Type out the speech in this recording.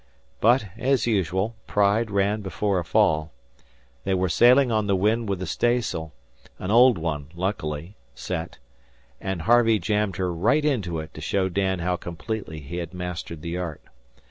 But, as usual, pride ran before a fall. They were sailing on the wind with the staysail an old one, luckily set, and Harvey jammed her right into it to show Dan how completely he had mastered the art.